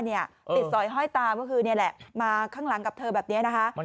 ติดสอยห้อยตามก็คือนี่แหละมาข้างหลังกับเธอแบบนี้นะคะ